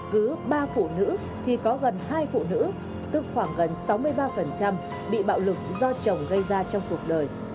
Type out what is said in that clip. cứ ba phụ nữ thì có gần hai phụ nữ tức khoảng gần sáu mươi ba bị bạo lực do chồng gây ra trong cuộc đời